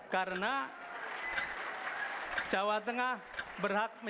karena jawa tengah berhak menjaga korupsi